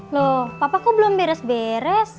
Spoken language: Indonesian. loh papa kok belum beres beres